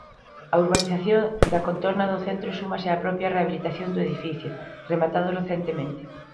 A urbanización da contorna do centro súmase á propia rehabilitación do edificio, rematado recentemente.